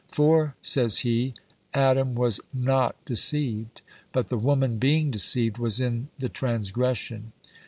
"For," says he, "Adam was NOT _deceived; but the woman, being deceived, was in the transgression.